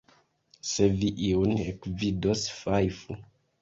Se vi iun ekvidos, fajfu!